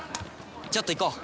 ちょっと行こう！